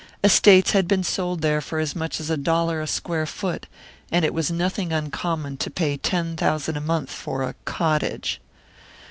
Estates had been sold there for as much as a dollar a square foot, and it was nothing uncommon to pay ten thousand a month for a "cottage."